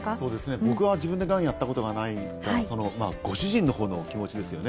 僕は自分ががんになったことがないから、ご主人のほうの気持ちですね。